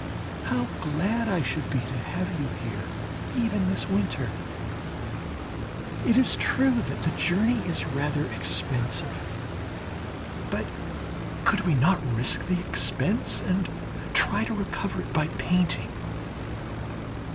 How glad I should be to have you here, even this winter! It is true that the journey is rather expensive. But could we not risk the expense and try to recover it by painting?